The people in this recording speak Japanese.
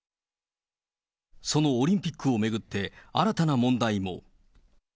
そのオリンピックを巡って、新たな問題も。